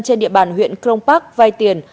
trên địa bàn huyện crong park vay tiền